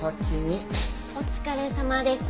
お疲れさまです。